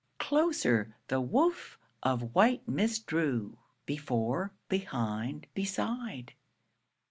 Closer the woof of white mist drew, Before, behind, beside.